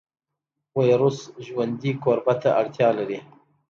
ویروس ژوندي کوربه ته اړتیا لري